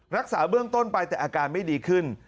รักษาเบื้องต้นไปแต่อาการไม่ดีขึ้น